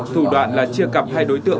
thủ đoạn là chia cặp hai đối tượng